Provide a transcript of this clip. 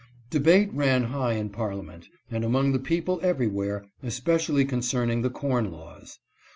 Debate ran high in Parliament and among the people everywhere, especially concerning the corn laws.